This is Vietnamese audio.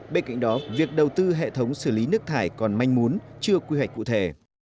bên cạnh đó việc đầu tư hệ thống xử lý nước thải còn manh muốn chưa quy hoạch cụ thể